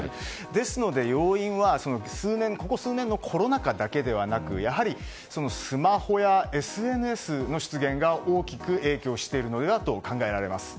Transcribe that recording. ですので、要因はここ数年のコロナ禍だけではなくスマホやＳＮＳの出現が大きく影響しているのではと考えられます。